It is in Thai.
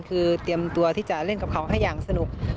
คือเตรียมตัวที่จะเล่นกับเขาให้อย่างสนุก